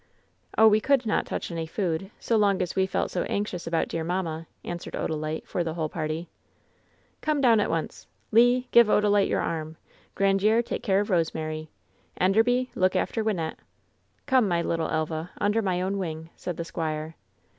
"Oh, we could not touch any food so long as we felt so anxious about dear mamma!" answered Odalite, for the whole party. "Come down at once! Le, give Odalite your arm! Grandiere, take care of Rosemary ! Enderby, look after Wynnette ! Come, my little Elva, under my own wing," said the squire.